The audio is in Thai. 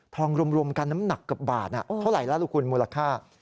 ทองรวมการน้ำหนักกับบาทน่ะเท่าไหร่ล่ะลูกคุณมูลค่า